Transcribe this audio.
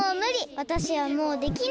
わたしはもうできない！